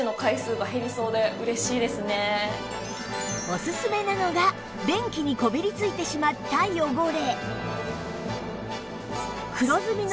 おすすめなのが便器にこびりついてしまった汚れ